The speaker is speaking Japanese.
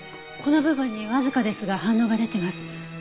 この部分にわずかですが反応が出てます。